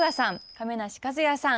亀梨和也さん